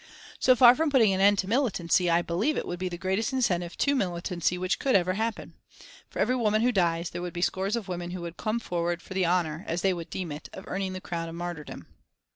So far from putting an end to militancy, I believe it would be the greatest incentive to militancy which could ever happen. For every woman who dies, there would be scores of women who would come forward for the honour, as they would deem it, of earning the crown of martyrdom."